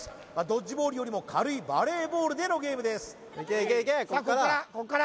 ドッジボールよりも軽いバレーボールでのゲームですさあ流れが変わるか？